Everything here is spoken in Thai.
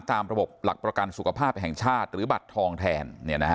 ตามระบบหลักประกันสุขภาพแห่งชาติหรือบัตรทองแทน